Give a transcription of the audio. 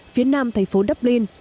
phía nam thành phố dublin